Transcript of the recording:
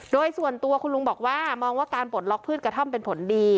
โดยส่วนตัวคุณลุงบอกว่ามองว่าการปลดล็อกพืชกระท่อมเป็นผลดี